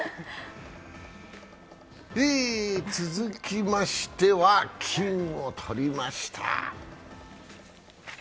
続きましては、金を取りました！